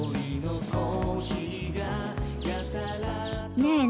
ねえね